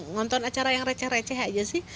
nonton acara yang receh receh aja sih